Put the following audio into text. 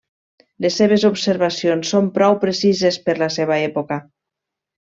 Les seves observacions són prou precises per la seva època.